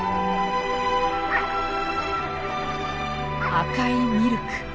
赤いミルク。